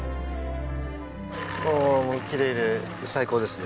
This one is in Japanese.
もうきれいで最高ですね。